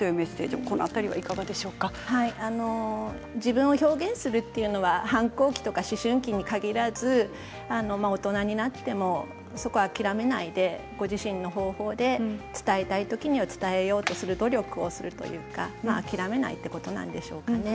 自分を表現するというのは反抗期とか思春期に限らず大人になっても諦めないでご自身の方法で伝えたいときには伝えようとする努力をするというのが諦めないということなんでしょうかね。